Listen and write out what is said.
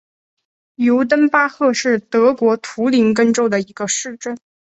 尤登巴赫是德国图林根州的一个市镇。